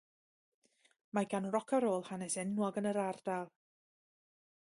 Mae gan roc a rôl hanes enwog yn yr ardal.